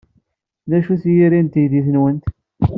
D acu-t yiri n teydit-nwent?